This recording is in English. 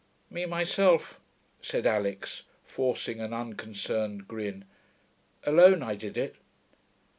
'Me myself,' said Alix, forcing an unconcerned grin. 'Alone I did it.'